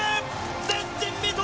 前人未到！